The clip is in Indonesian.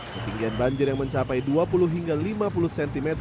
ketinggian banjir yang mencapai dua puluh hingga lima puluh cm